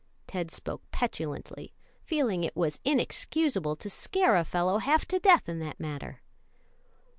Ted spoke petulantly, feeling it was inexcusable to scare a fellow half to death in that manner.